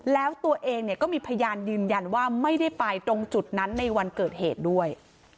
แล้วตัวเองเนี่ยก็มีพยานยืนยันว่าไม่ได้ไปตรงจุดนั้นในวันเกิดเหตุด้วย